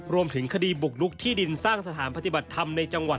รวมถึงคดีบุกลุกที่ดินสร้างสถานปฏิบัติธรรมในจังหวัด